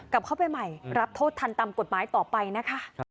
กลับเข้าไปใหม่รับโทษทันตามกฎหมายต่อไปนะคะ